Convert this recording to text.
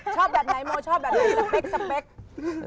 ชอบแบบไหนโมโคชอบแบบไหนสเปก